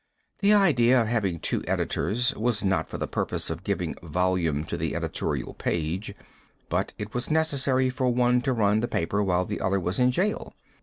The idea of having two editors was not for the purpose of giving volume to the editorial page, but it was necessary for one to run the paper while the other was in jail.